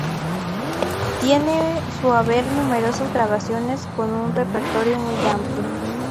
Tiene en su haber numerosas grabaciones con un repertorio muy amplio.